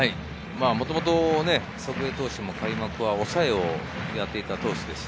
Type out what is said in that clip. もともと祖父江投手も開幕は抑えをやっていた投手です。